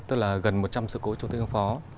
tức là gần một trăm linh sự cố chống tích công phó